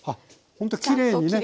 あほんときれいにね。